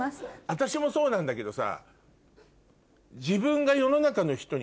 私もそうなんだけどさ。